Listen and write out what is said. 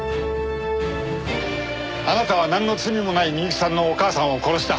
あなたはなんの罪もない美雪さんのお母さんを殺した。